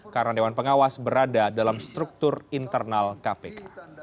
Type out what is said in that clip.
karena dewan pengawas berada dalam struktur internal kpk